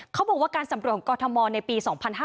เขาบอกว่าการสำรวจก็ทัมมอลในปี๒๕๖๔